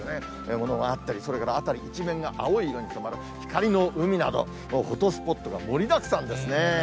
ものがあったり、それから辺り一面が青い色に染まる光の海など、フォトスポットが盛りだくさんですね。